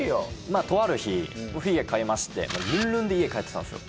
あとある日フィギュア買いましてルンルンで家帰ってたんですよ